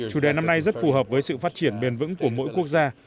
chủ đề năm nay rất phù hợp với sự phát triển bền vững của mỗi quốc gia